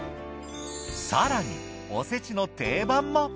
更におせちの定番も。